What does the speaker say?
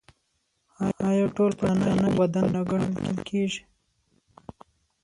آیا ټول پښتانه یو بدن نه ګڼل کیږي؟